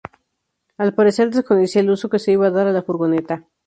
Al parecer desconocía el uso que se iba a dar a la furgoneta.